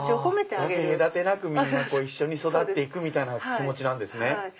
分け隔てなくみんな一緒に育って行くみたいな気持ちですね。